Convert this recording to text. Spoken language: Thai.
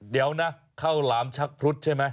เดี๋ยวนะข้าวหลามชักพรุษใช่ไหม